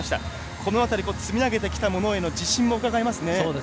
この辺り積み上げてきたものへの自信もうかがえますね。